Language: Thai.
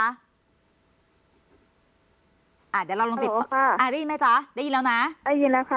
เดี๋ยวเราลองติดต่ออ่าได้ยินไหมจ๊ะได้ยินแล้วนะได้ยินแล้วค่ะ